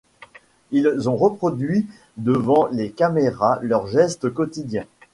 Ils ont reproduit devant les caméras leurs gestes quotidiens.